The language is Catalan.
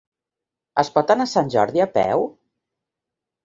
Es pot anar a Sant Jordi a peu?